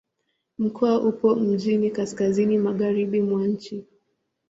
Mkoa upo mjini kaskazini-magharibi mwa nchi.